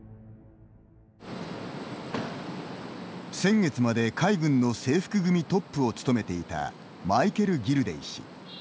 先月まで、海軍の制服組トップを務めていたマイケル・ギルデイ氏。